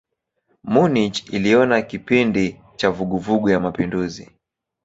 Munich iliona kipindi cha vuguvugu ya mapinduzi.